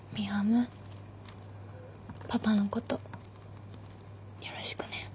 パパのことよろしくね。